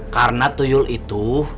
karena tuyul itu